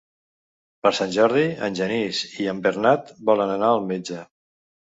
Per Sant Jordi en Genís i en Bernat volen anar al metge.